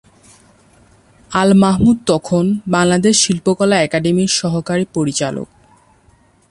আল মাহমুদ তখন বাংলাদেশ শিল্পকলা একাডেমির সহকারী পরিচালক।